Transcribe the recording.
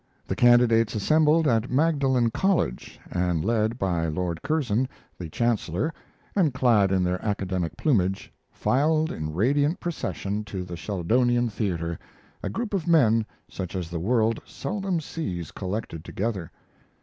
The candidates assembled at Magdalen College, and led by Lord Curzon, the Chancellor, and clad in their academic plumage, filed in radiant procession to the Sheldonian Theater, a group of men such as the world seldom sees collected together.